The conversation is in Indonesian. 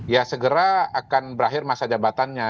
ya segera akan berakhir masa jabatannya